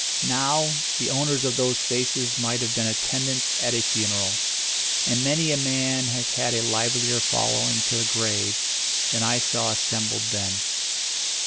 Now, the owners of those faces might have been attendants at a funeral. And many a man has had a livelier following to the grave than I saw assembled then.